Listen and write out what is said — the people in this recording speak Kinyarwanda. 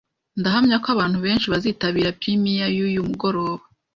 Ndahamya ko abantu benshi bazitabira premiere yuyu mugoroba.